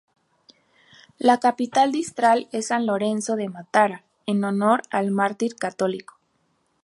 La capital distrital es San Lorenzo de Matara, en honor al mártir católico.